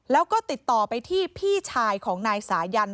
แล้วก็ติดต่อไปที่พี่ชายของนายสายัน